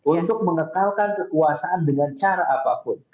untuk mengekalkan kekuasaan dengan cara apapun